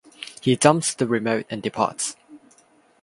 He dumps the remote and departs.